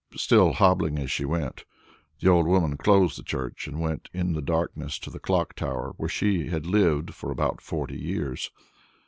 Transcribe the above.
Still hobbling as she went, the old woman closed the church and went in the darkness to the clock tower where she had lived for about forty years.